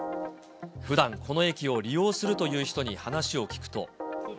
ふだん、この駅を利用するという人に話を聞くと。